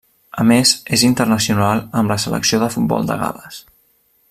A més, és internacional amb la selecció de futbol de Gal·les.